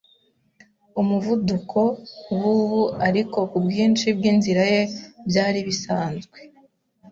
umuvuduko wubu, ariko kubwinshi bwinzira ye, byari bisanzwe